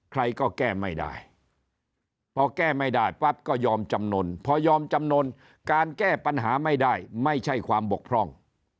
ใครก็แก้ไม่ได้พอแก้ไม่ได้ปั๊บก็ยอมจำนวนพอยอมจำนวนการแก้ปัญหาไม่ได้ไม่ใช่ความบกพร่อง